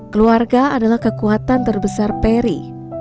keluarga adalah kekuatan terbesar perry